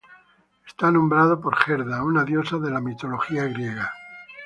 Está nombrado por Gerda, una diosa de la mitología griega.